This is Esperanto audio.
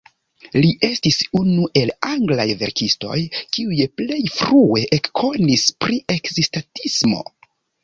Li estis unu el anglaj verkistoj kiuj plej frue ekkonis pri ekzistadismo.